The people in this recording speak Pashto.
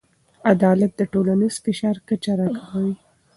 عدالت د ټولنیز فشار کچه راکموي.